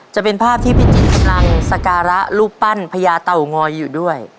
จะเป็นภาพที่พิจิตกำลังสการะรูปปั้นพญาเต่างอยอยู่ด้วย